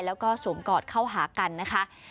แล้วก็สวมกอดเข้าหากันนะคะ